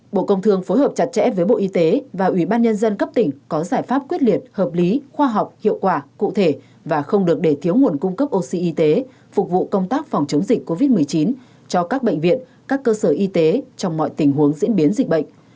bộ công thương phối hợp chặt chẽ với bộ y tế và ủy ban nhân dân cấp tỉnh có giải pháp quyết liệt hợp lý khoa học hiệu quả cụ thể và không được để thiếu nguồn cung cấp oxy y tế phục vụ công tác phòng chống dịch covid một mươi chín cho các bệnh viện các cơ sở y tế trong mọi tình huống diễn biến dịch bệnh